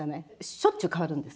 しょっちゅう替わるんですよ。